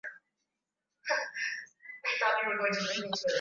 Miaka ya mwisho Qatar imejihusisha na siasa ya Mashariki ya Kati